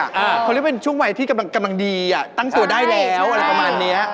เขาเรียกเป็นช่วงวัยที่กำลังดีอ่ะตั้งตัวได้แล้วอะไรประมาณเนี้ย